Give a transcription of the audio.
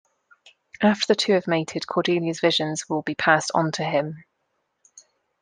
After the two have mated, Cordelia's visions will be passed on to him.